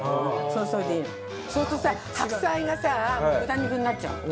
そうするとさ白菜がさ豚肉になっちゃうの。